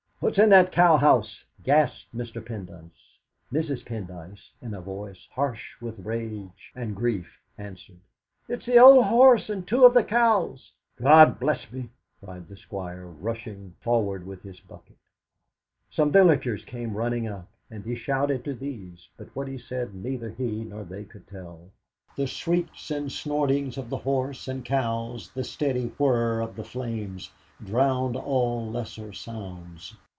"What's in that cow house?" gasped Mr. Pendyce. Mrs. Peacock, in a voice harsh with rage and grief answered: "It's the old horse and two of the cows!" "God bless me!" cried the Squire, rushing forward with his bucket. Some villagers came running up, and he shouted to these, but what he said neither he nor they could tell. The shrieks and snortings of the horse and cows, the steady whirr of the flames, drowned all lesser sounds.